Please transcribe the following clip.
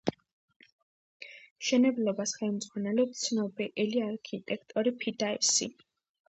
მშენებლობას ხელმძღვანელობს ცნობილი ბერძენი არქიტექტორი ფიდიასი.